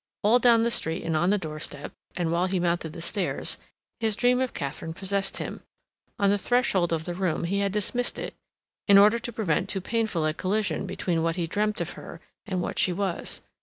All down the street and on the doorstep, and while he mounted the stairs, his dream of Katharine possessed him; on the threshold of the room he had dismissed it, in order to prevent too painful a collision between what he dreamt of her and what she was.